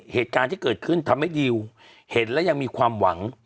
เหตุการณ์ที่เกิดขึ้นทำให้ดิวเห็นและยังมีความหวัง